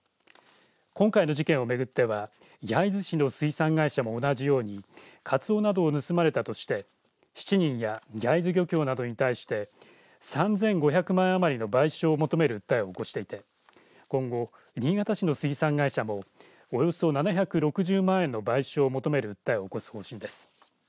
今回の事件を巡っては焼津市の水産会社も同じようにかつおなどを盗まれたとして７人や焼津漁協に対して３５００万円余りの賠償を求める訴えを起こしていて今後、新潟市の水産会社もおよそ７６０万円の賠償を求める訴えを起こす方針です。